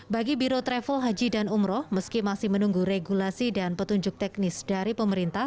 bagi biro travel haji dan umroh meski masih menunggu regulasi dan petunjuk teknis dari pemerintah